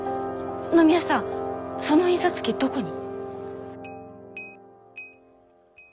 野宮さんその印刷機どこに？